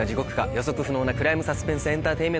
予測不能なクライムサスペンスエンターテインメントを。